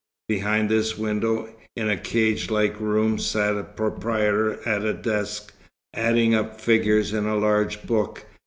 Behind this window, in a cagelike room, sat the proprietor at a desk, adding up figures in a large book.